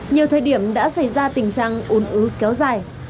nhiều thời điểm đã xảy ra tình trạng ồn ứ kéo dài